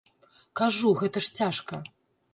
Кажу, гэта ж цяжка.